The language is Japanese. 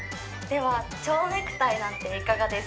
ではちょうネクタイなんていかがですか？